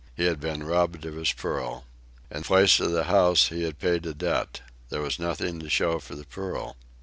He had been robbed of his pearl. In place of the house, he had paid a debt. There was nothing to show for the pearl.